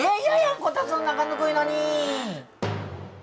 こたつの中ぬくいのに！